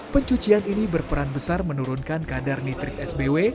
pencucian ini berperan besar menurunkan kadar nitrit sbw